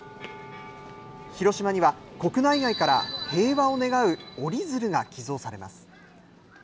広島には国内外から平和を願う折り鶴が寄贈されます。